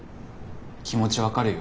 気持ち分かるよ。